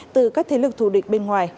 từ các thế lực thù địch bên ngoài